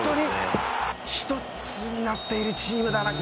１つになっているチームだなと。